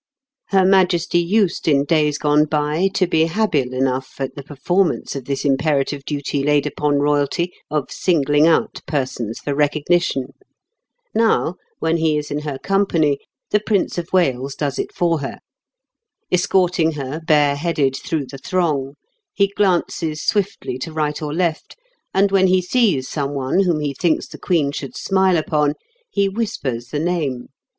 Her Majesty used in days gone by to be habile enough at the performance of this imperative duty laid upon Royalty of singling out persons for recognition. Now, when he is in her company, the Prince of Wales does it for her. Escorting her, bare headed, through the throng; he glances swiftly to right or left, and when he sees some one whom he thinks the Queen should smile upon he whispers the name.